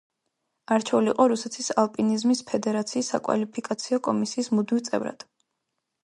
არჩეული იყო რუსეთის ალპინიზმის ფედერაციის საკვალიფიკაციო კომისიის მუდმივ წევრად.